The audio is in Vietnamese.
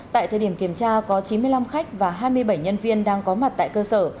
tại thời điểm kiểm tra có chín mươi năm khách và hai mươi bảy nhân viên đang có mặt tại cơ sở